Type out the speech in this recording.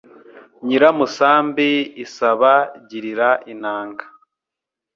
Nyiramusambi isaba girira inanga